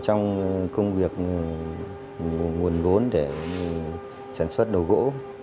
công việc nguồn vốn để sản xuất đầu gỗ